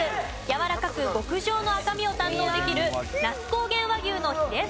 やわらかく極上の赤身を堪能できる那須高原和牛のヒレステーキと。